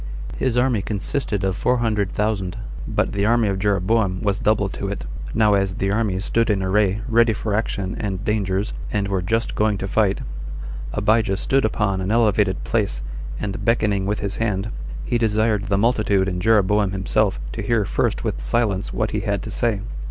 His army consisted of four hundred thousand, but the army of Jeroboam was double to it. Now as the armies stood in array, ready for action and dangers, and were just going to fight, Abijah stood upon an elevated place, and beckoning with his hand, he desired the multitude and Jeroboam himself to hear first with silence what he had to say.